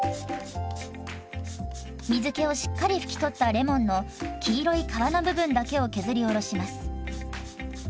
水けをしっかりふき取ったレモンの黄色い皮の部分だけを削りおろします。